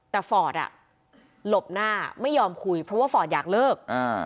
แต่ฟอร์ดอ่ะหลบหน้าไม่ยอมคุยเพราะว่าฟอร์ดอยากเลิก